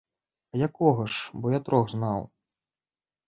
А якога ж, бо я трох знаў?